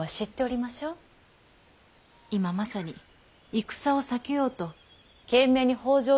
今まさに戦を避けようと懸命に北条殿を説得しておいでです。